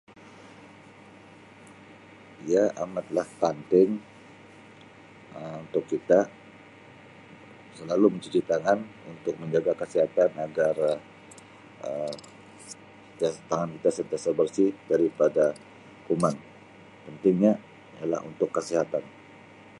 Ia amatlah penting Um untuk kita selalu mencuci tangan untuk menjaga kesihatan agar Um tangan kita sentiasa bersih daripada kuman tentunya kalau untuk kesihatan.